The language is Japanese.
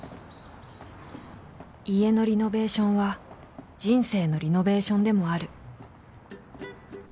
家のリノベーションは人生のリノベーションでもある。